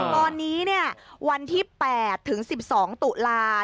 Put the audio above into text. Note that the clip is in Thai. ตอนนี้วันที่๘ถึง๑๒ตุลา